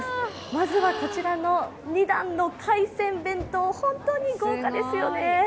まずはこちらの２段の海鮮弁当、本当に豪華ですよね。